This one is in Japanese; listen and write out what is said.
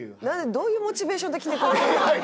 どういうモチベーションで来てくれてるの？